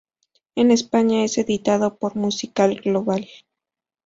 En España es editado por Música Global.